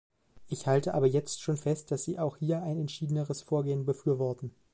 Ich halte aber jetzt schon fest, dass auch Sie hier ein entschiedeneres Vorgehen befürworten.